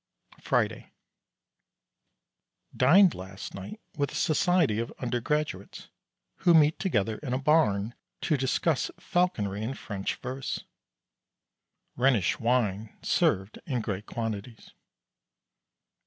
Friday. Dined last night with a society of Undergraduates who meet together in a Barn to discuss Falconry and French verse. Rhenish wine served in great quantities.